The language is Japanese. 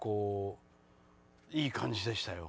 いい感じでしたよ。